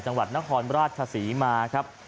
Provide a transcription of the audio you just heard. จังหวัดนฮรรดศ์คสีมาครับ